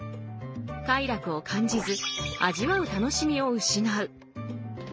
快楽を感じず味わう楽しみを失う。